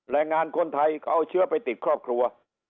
แรงงานคนไทยก็เอาเชื้อไปติดครอบครัว